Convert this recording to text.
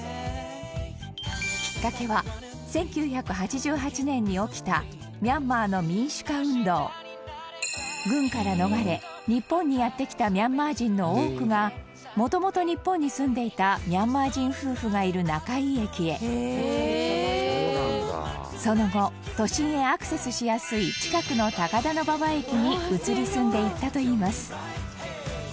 きっかけは１９８８年に起きたミャンマーの民主化運動軍から逃れ、日本にやって来たミャンマー人の多くがもともと日本に住んでいたミャンマー人夫婦がいる中井駅へその後都心へアクセスしやすい近くの高田馬場駅に移り住んでいったといいます